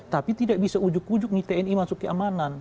tapi tidak bisa ujuk ujuk nih tni masuk keamanan